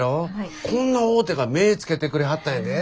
こんな大手が目ぇつけてくれはったんやで。